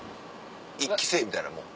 １期生みたいなもん？